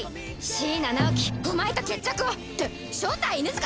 椎名ナオキお前と決着を！って正体犬塚